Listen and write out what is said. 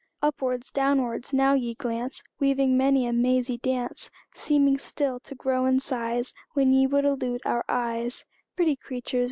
Upwards, downwards, now ye glance, Weaving many a mazy dance; Seeming still to grow in size When ye would elude our eyes Pretty creatures!